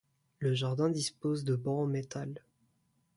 Le jardin dispose de bancs en métal.